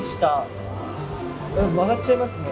曲がっちゃいますね。